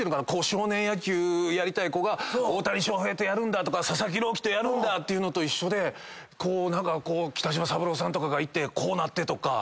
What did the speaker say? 少年野球やりたい子が大谷翔平とやるんだとか佐々木朗希とやるんだってのと一緒で何かこう北島三郎さんとかがいてこうなってとか。